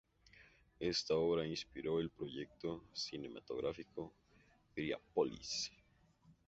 Esta obra inspiró el proyecto cinematográfico "Piriápolis.